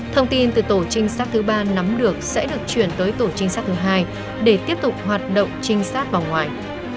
thông tin từ tổ trinh sát thứ ba nắm được sẽ được chuyển tới tổ trinh sát thứ hai để tiếp tục hoạt động trinh sát vòng ngoài